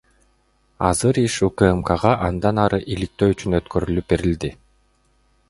Азыр иш УКМКга андан аркы иликтөө үчүн өткөрүлүп берилди.